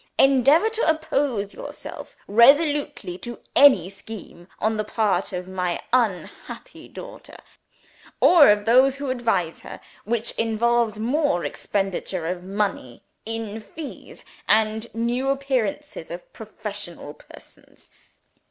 Endeavor to oppose yourself resolutely to any scheme, on the part of my unhappy daughter or of those who advise her, which involves more expenditure of money in fees, and new appearances of professional persons.